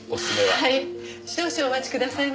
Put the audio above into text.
はい。